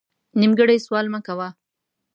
نیمګړی سوال مه کوه